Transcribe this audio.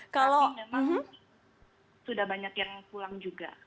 tapi memang sudah banyak yang pulang juga